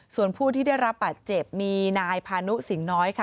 ส่วนผู้ที่ได้รับบาดเจ็บมีนายพานุสิงหน้อยค่ะ